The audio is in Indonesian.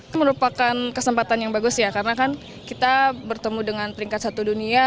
ini merupakan kesempatan yang bagus ya karena kan kita bertemu dengan peringkat satu dunia